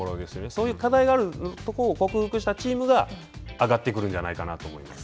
そういう課題があるところを克服したチームが上がってくるんじゃないかと思います。